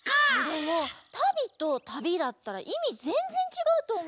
でも「たび」と「旅」だったらいみぜんぜんちがうとおもうけどなあ。